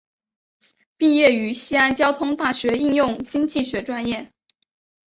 毕业于西安交通大学应用经济学专业。